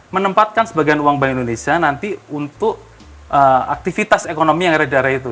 menempatkan sebagian uang bank indonesia nanti untuk aktivitas ekonomi yang ada di daerah itu